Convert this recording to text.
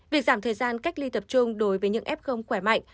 việc giảm thời gian cách ly tập trung đối với những f khỏe mạnh